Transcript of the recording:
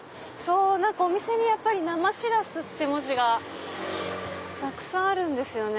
お店に生シラスって文字がたくさんあるんですよね。